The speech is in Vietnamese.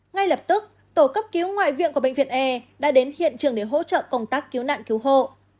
ngay lập tức tổ cấp cứu ngoại viện của bệnh viện e đã đến hiện trường để hỗ trợ công tác cứu nạn cứu hộ